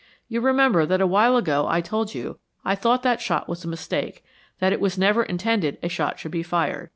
You remember that a while ago I told you I thought that shot was a mistake that it was never intended a shot should be fired.